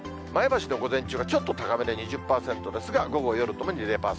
前橋の午前中がちょっと高めで２０％ですが、午後、夜ともに０％。